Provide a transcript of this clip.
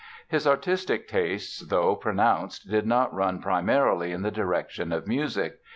His artistic tastes, though pronounced, did not run primarily in the directions of music.